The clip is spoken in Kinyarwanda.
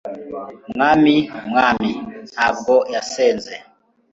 Mwami Mwami ntabwo yasenze